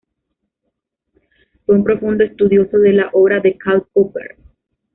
Fue un profundo estudioso de la obra de Karl Popper.